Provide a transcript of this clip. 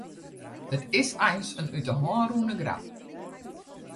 It is eins in út 'e hân rûne grap.